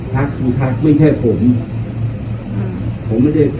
ไม่ใช่ผมคนเดียวผมคนเดียว